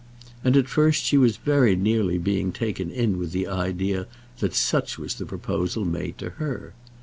And at first she was very nearly being taken in with the idea that such was the proposal made to her.